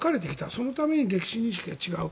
そのために歴史認識が違う。